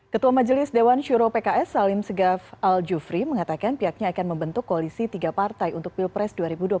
ketua majelis dewan syuro pks salim segaf al jufri mengatakan pihaknya akan membentuk koalisi tiga partai untuk pilpres dua ribu dua puluh